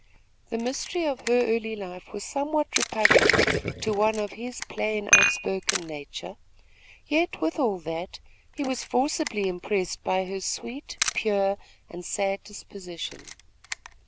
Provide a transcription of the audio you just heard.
The mystery of her early life was somewhat repugnant to one of his plain, outspoken nature; yet, with all that, he was forcibly impressed by her sweet, pure and sad disposition.